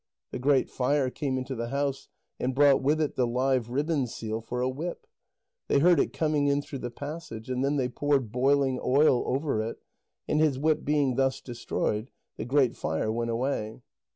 The Great Fire came into the house, and brought with it the live ribbon seal for a whip. They heard it coming in through the passage, and then they poured boiling oil over it, and his whip being thus destroyed, the Great Fire went away.